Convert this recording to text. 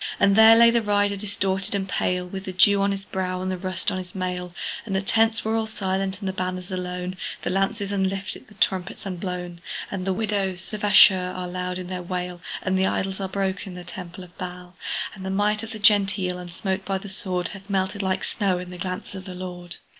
And there lay the rider distorted and pale, With the dew on his brow, and the rust on his mail: And the tents were all silent, the banners alone, The lances unlifted, the trumpet unblown. And the widows of Ashur are loud in their wail, And the idols are broke in the temple of Baal; And the might of the Gentile, unsmote by the sword, Hath melted like snow in the glance of the Lord!